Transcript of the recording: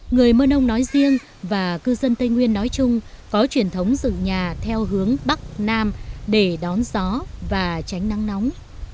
người mơ ông nói riêng và cư dân tây nguyên nói chung có truyền thống dựng nhà theo hướng bắc nam để đón gió và tránh nắng nóng